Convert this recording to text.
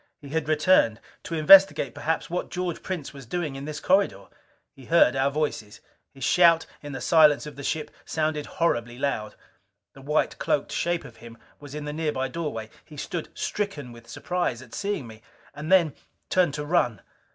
He had returned, to investigate perhaps what George Prince was doing in this corridor. He heard our voices. His shout in the silence of the ship sounded horribly loud. The white cloaked shape of him was in the nearby doorway. He stood stricken with surprise at seeing me. And then turned to run.